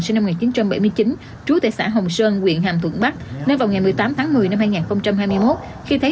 sinh năm một nghìn chín trăm bảy mươi chín trú tại xã hồng sơn quyện hàm thuận bắc nên vào ngày một mươi tám tháng một mươi năm hai nghìn hai mươi một khi thấy